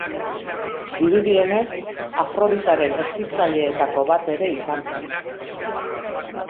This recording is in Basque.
Dirudienez, Afroditaren hezitzaileetako bat ere izan zen.